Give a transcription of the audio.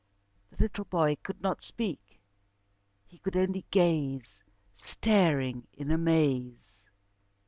The little boy could not speak, he could only gaze, staring in amaze.